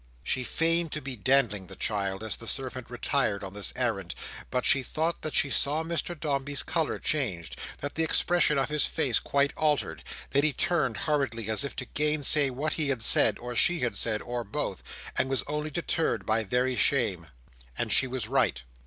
She feigned to be dandling the child as the servant retired on this errand, but she thought that she saw Mr Dombey's colour changed; that the expression of his face quite altered; that he turned, hurriedly, as if to gainsay what he had said, or she had said, or both, and was only deterred by very shame. And she was right.